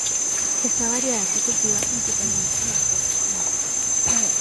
Esta variedad se cultiva principalmente en los trópicos.